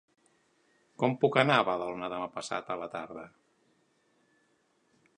Com puc anar a Badalona demà passat a la tarda?